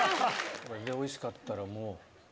これでおいしかったらもう。